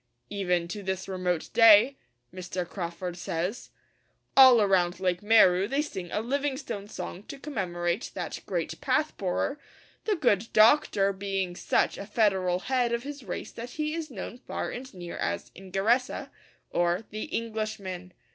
'Even to this remote day,' Mr. Crawford says, 'all around Lake Mweru they sing a "Livingstone" song to commemorate that great "path borer," the good Doctor being such a federal head of his race that he is known far and near as Ingeresa, or "The Englishman."